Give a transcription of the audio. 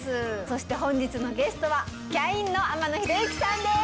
そして本日のゲストはキャインの天野ひろゆきさんです